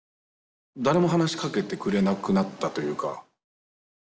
誰も話しかけてくれなくなったというか。